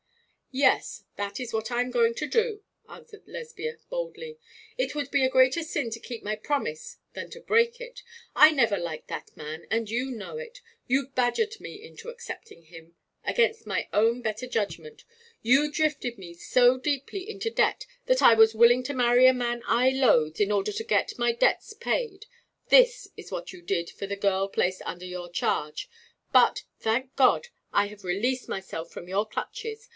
'Yes; that is what I am going to do,' answered Lesbia, boldly. 'It would be a greater sin to keep my promise than to break it. I never liked that man, and you know it. You badgered me into accepting him, against my own better judgment. You drifted me so deeply into debt that I was willing to marry a man I loathed in order to get my debts paid. This is what you did for the girl placed under your charge. But, thank God, I have released myself from your clutches.